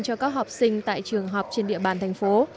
cho các học sinh tại trường học trên địa bàn thành phố